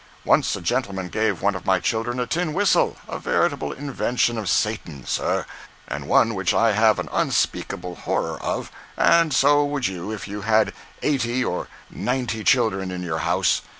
Once a gentleman gave one of my children a tin whistle—a veritable invention of Satan, sir, and one which I have an unspeakable horror of, and so would you if you had eighty or ninety children in your house.